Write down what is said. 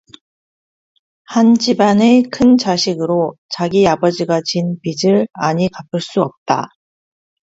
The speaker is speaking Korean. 한집안의 큰자식으로 자기 아버지가 진 빚을 아니 갚을 수 없다.